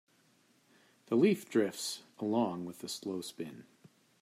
The leaf drifts along with a slow spin.